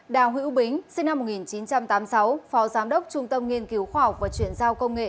đào hữu bính sinh năm một nghìn chín trăm tám mươi sáu phó giám đốc trung tâm nghiên cứu khoa học và chuyển giao công nghệ